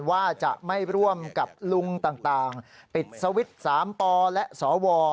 ว่าจะไม่ร่วมกับลุงต่างปิดสวิตช์๓ปและสว